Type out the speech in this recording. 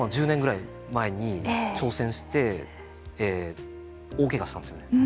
１０年ぐらい前に挑戦して大けがしたんですよね。